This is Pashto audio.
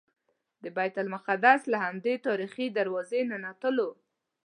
د بیت المقدس له همدې تاریخي دروازې ننوتلو.